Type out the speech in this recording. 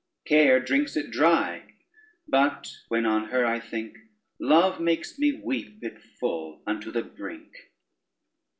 Care drinks it dry; but when on her I think, Love makes me weep it full unto the brink.